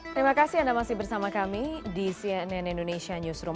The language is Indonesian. terima kasih anda masih bersama kami di cnn indonesia newsroom